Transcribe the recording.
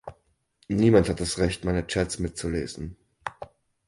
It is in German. Niemand hat das Recht, meine Chats mitzulesen.